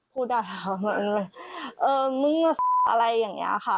พูดได้ครับเออมึงอะไรอย่างเนี่ยค่ะ